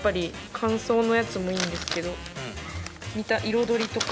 乾燥のやつもいいんですけど彩りとか。